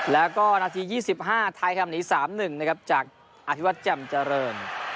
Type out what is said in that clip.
แล้วก็นาที๒๕ไทยครับหนี๓๑นะครับจากอภิวัตรแจ่มเจริญ